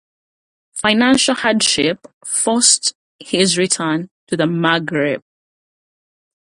Financial hardship forced his return to the Maghreb.